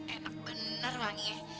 enak benar wanginya